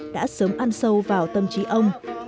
đã sớm ăn sâu vào tâm trí ông